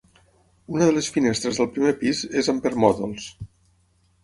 Una de les finestres del primer pis és amb permòdols.